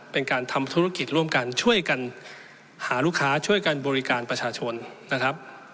เป็นการทำธุรกิจร่วมกันช่วยกันหาลูกค้าช่วยกันบริการประชาชนนะครับ